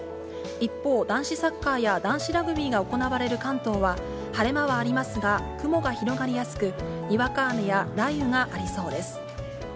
一方、男子サッカーや男子ラグビーが行われる関東は、晴れ間はありますが、雲が広がりやすく、にわか雨や雷雨がありそうです。